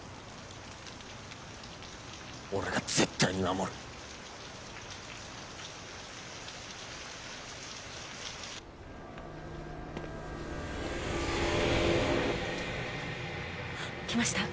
俺が絶対に守る！来ました。